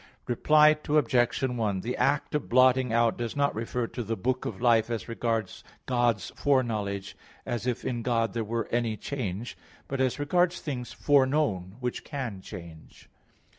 Reply Obj. 1: The act of blotting out does not refer to the book of life as regards God's foreknowledge, as if in God there were any change; but as regards things foreknown, which can change.